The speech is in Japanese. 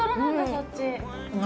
そっち